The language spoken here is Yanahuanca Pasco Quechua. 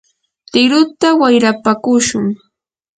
triguta wayrapakushun.